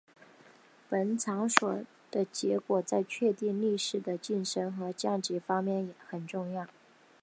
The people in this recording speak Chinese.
本场所的结果在确定力士的晋升和降级方面很重要。